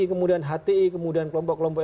kemudian hti kemudian kelompok kelompok